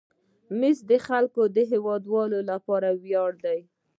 مس د افغانستان د هیوادوالو لپاره ویاړ دی.